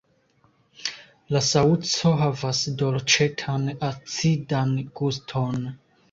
La saŭco havas dolĉetan-acidan guston.